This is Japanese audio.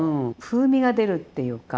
風味が出るっていうか。